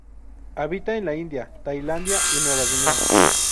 Habita en la India, Tailandia y Nueva Guinea.